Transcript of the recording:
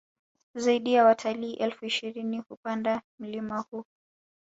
Zaidi ya watalii elfu ishirini hupanda mlima huu